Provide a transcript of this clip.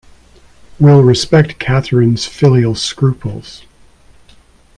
We’ll respect Catherine’s filial scruples.